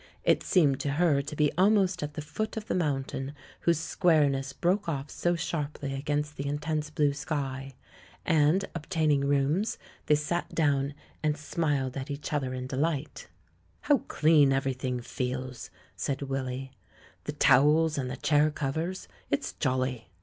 It seemed to her to be almost at the foot of the mountain whose squareness broke off so sharply against the intense blue sky; and, obtaining rooms, they sat down and smiled at each other in delight. THE LAURELS AND THE LADY 143 "How clean everything feels," said Willy — *'tlie towels, and the chair covers. It's jolly."